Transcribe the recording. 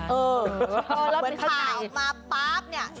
เหมือนพาออกมาป๊าป